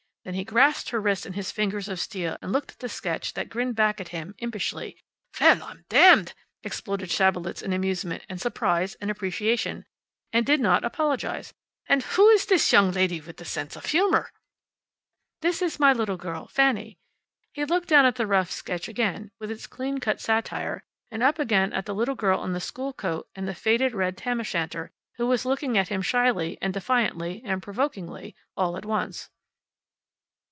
Then he grasped her wrist in his fingers of steel and looked at the sketch that grinned back at him impishly. "Well, I'm damned!" exploded Schabelitz in amusement, and surprise, and appreciation. And did not apologize. "And who is this young lady with the sense of humor?" "This is my little girl, Fanny." He looked down at the rough sketch again, with its clean cut satire, and up again at the little girl in the school coat and the faded red tam o' shanter, who was looking at him shyly, and defiantly, and provokingly, all at once.